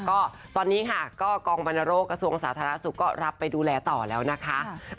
ก็ตอนนี้ค่ะก็กองบรรณโรคกระทรวงสาธารณสุขก็รับไปดูแลต่อแล้วนะคะ